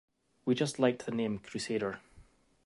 We just liked the name "Crusader".